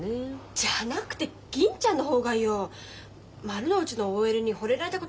じゃなくて銀ちゃんの方がよ。丸の内のＯＬにほれられたことなんてないんだもん。